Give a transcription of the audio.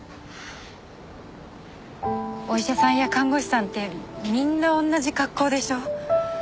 お医者さんや看護師さんってみんな同じ格好でしょ。